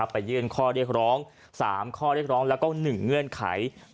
ไปยื่นข้อเรียกร้อง๓ข้อเรียกร้องแล้วก็๑เงื่อนไข